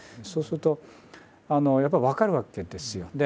そうするとやっぱり分かるわけですよ。